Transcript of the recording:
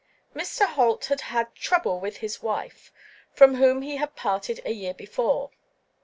Mr. Holt had had "trouble with his wife," from whom he had parted a year before.